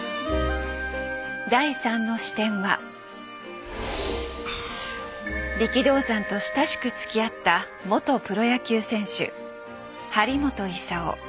第３の視点は力道山と親しくつきあった元プロ野球選手張本勲。